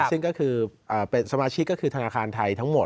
ซึ่งก็คือเป็นสมาชิกก็คือธนาคารไทยทั้งหมด